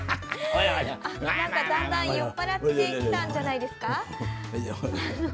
だんだん酔っ払ってきたんじゃないですか。